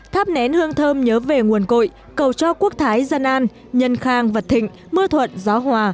thắp nén hương thơm nhớ về nguồn cội cầu cho quốc thái dân an nhân khang vật thịnh mưa thuận gió hòa